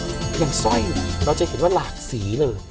เพียงซ่อยเราจะเห็นว่ารากสีเลย